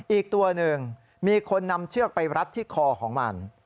อีกตัวหนึ่งมีคนนำเชือกไปรัดที่คอของมัน